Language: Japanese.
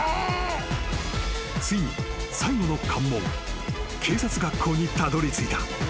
［ついに最後の関門警察学校にたどりついた］